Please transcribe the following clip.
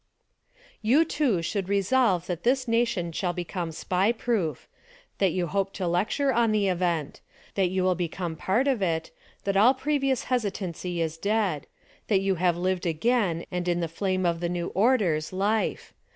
You, too, should resolve that this nation shall bcomie SPY proof; that you hope to lecture on the event; that you will become part of it; that all previous hesitancy is dead ; that you have lived again and in the flame of the new orders life.